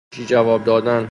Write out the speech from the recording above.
چکشی جواب دادن